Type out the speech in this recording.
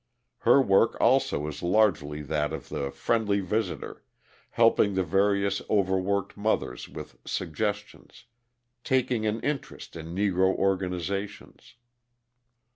Her work also is largely that of the friendly visitor, helping the various overworked mothers with suggestions, taking an interest in Negro organisations.